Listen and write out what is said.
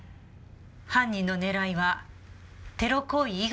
犯人の狙いはテロ行為以外の何かですか？